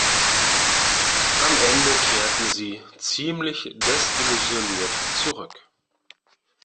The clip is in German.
Am Ende kehrten sie ziemlich desillusioniert zurück.